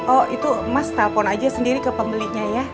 oh itu mas telpon aja sendiri ke pembelinya ya